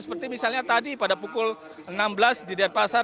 seperti misalnya tadi pada pukul enam belas di denpasar